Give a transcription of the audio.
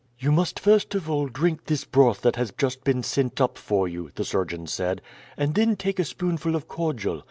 "You must first of all drink this broth that has just been sent up for you," the surgeon said, "and then take a spoonful of cordial.